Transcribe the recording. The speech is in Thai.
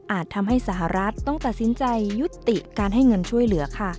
ทำให้สหรัฐต้องตัดสินใจยุติการให้เงินช่วยเหลือค่ะ